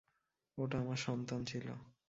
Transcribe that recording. ওটা আমার সন্তান ছিল।